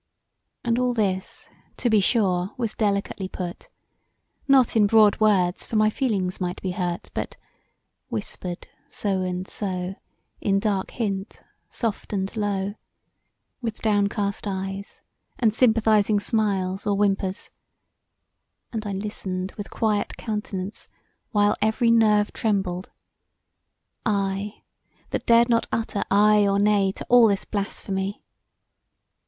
And all this, to be sure, was delicately put; not in broad words for my feelings might be hurt but Whispered so and so In dark hint soft and low[E] with downcast eyes, and sympathizing smiles or whimpers; and I listened with quiet countenance while every nerve trembled; I that dared not utter aye or no to all this blasphemy.